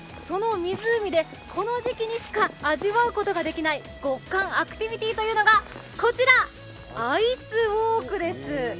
その湖でこの時期にしか味わうことができない極寒アクティビティというのがこちら、アイスウォークです。